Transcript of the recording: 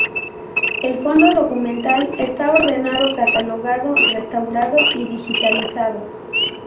El fondo documental está ordenado, catalogado, restaurado y digitalizado.